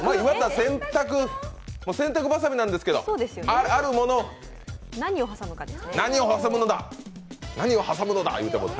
洗濯ばさみなんですけど、あるものを何を挟むのだということ。